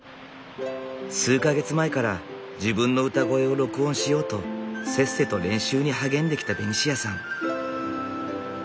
数か月前から自分の歌声を録音しようとせっせと練習に励んできたベニシアさん。